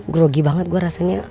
grogi banget gue rasanya